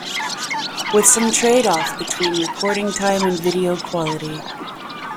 With some trade off between recording time and video quality.